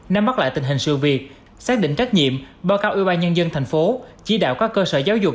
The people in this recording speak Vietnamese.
năm bắt lại tình hình sự việc xác định trách nhiệm báo cáo ủy ban nhân dân tp hcm chỉ đạo các cơ sở giáo dục